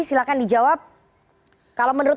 silakan dijawab kalau menurut